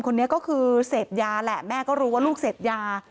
คนนี้ก็คือเสพยาแหละแม่ก็รู้ว่าลูกเสพยา